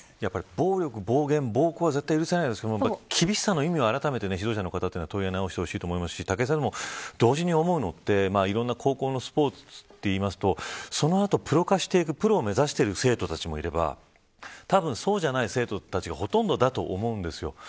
暴力、暴言、暴行は絶対許せないですし厳しさの意味をあらためて指導者の方は取り直してほしいと思いますし武井さん、同時に思うのって高校のスポーツと言いますとその後プロを目指していく生徒たちもいればたぶん、そうじゃない生徒たちがほとんどだと思うんですよ。